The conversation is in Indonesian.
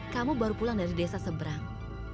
kamu baru pulang dari desa seberang